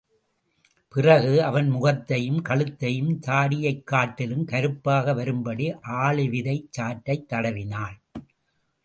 பிறகு, அவன் முகத்தையும் கழுத்தையும் தாடியைக் காட்டிலும் கருப்பாக வரும்படி ஆளிவிதைச் சாற்றைத் தடவினாள்.